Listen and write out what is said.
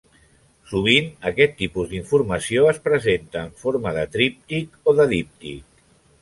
Sovint aquest tipus d'informació es presenta en forma de tríptic o de díptic.